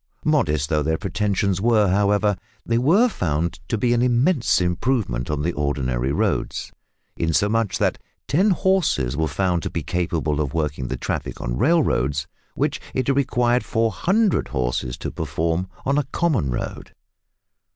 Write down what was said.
Modest though their pretensions were, however, they were found to be an immense improvement on the ordinary roads, insomuch that ten horses were found to be capable of working the traffic on railroads, which it required 400 horses to perform on a common road.